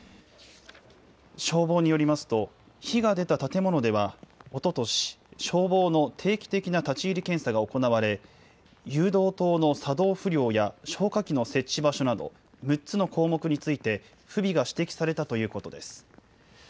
消防によりますと、火が出た建物ではおととし、消防の定期的な立ち入り検査が行われ、誘導灯の作動不良や消火器の設置場所など、６つの項目について、不備が指摘されたということです。